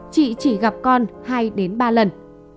chị chỉ gặp con hai ba lần